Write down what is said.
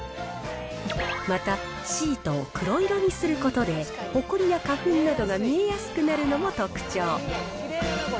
また、シートを黒色にすることで、ほこりや花粉などが見えやすくなるのも特徴。